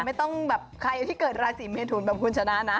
ไม่ต้องแบบใครที่เกิดราศีเมทุนแบบคุณชนะนะ